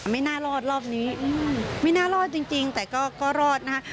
ไม่น่ารอดรอบนี้ไม่น่ารอดจริงแต่ก็รอดนะคะ